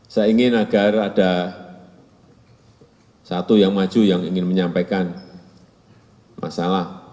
saya ingin agar ada satu yang maju yang ingin menyampaikan masalah